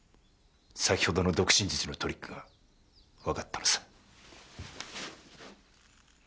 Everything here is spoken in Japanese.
先ほどの読心術のトリックがわかったのさ。